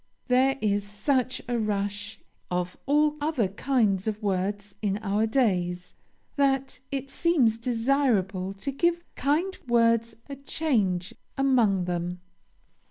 There is such a rush of all other kinds of words in our days, that it seems desirable to give kind words a change among them.